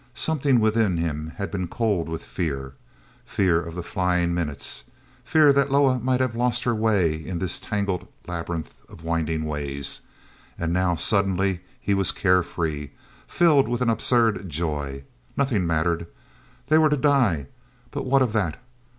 Something within him had been cold with fear. Fear of the flying minutes. Fear that Loah might have lost her way in this tangled labyrinth of winding ways. And now, suddenly, he was care free, filled with an absurd joy. Nothing mattered. They were to die, but what of that?